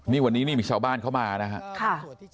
นี่วันนี้นี่มีชาวบ้านเข้ามานะครับ